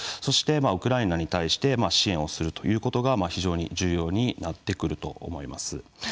そしてウクライナに対して支援をするということが非常に重要になってくると思います。